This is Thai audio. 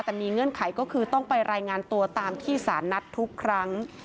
แต่มีเงื่อนไขก็คือต้องไปรายงานตัวตามที่สารนัดทุกครั้ง